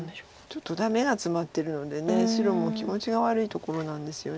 ちょっとダメがツマってるので白も気持ちが悪いところなんですよね。